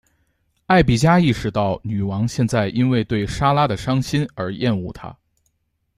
艾碧嘉意识到女王现在因为对莎拉的伤心而厌恶她。